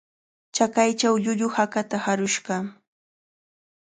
Chakaychaw llullu hakata harushqa